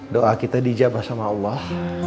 doa kita dijabah sama allah